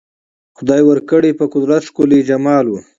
خدای ورکړی په قدرت ښکلی جمال وو